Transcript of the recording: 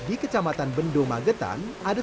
jika ibu hamil tidak berubah ibu hamil tidak akan berubah